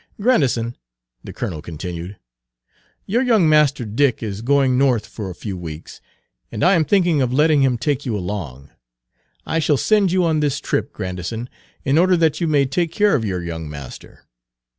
"Grandison," the colonel continued, "your young master Dick is going North for a few weeks, and I am thinking of letting him take you along. I shall send you on this trip, Grandison, in order that you may take care of your young master.